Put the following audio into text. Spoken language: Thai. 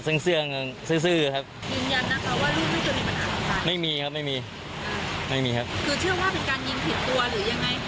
สึงเซี่ยนซึ้งยืนยันนะคะว่าไม่มีโดนอาหารพวกหายอย่างไง